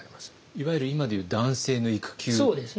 いわゆる今でいう男性の育休ですね。